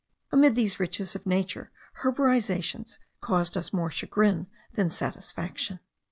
Amid these riches of nature heborizations caused us more chagrin than satisfaction.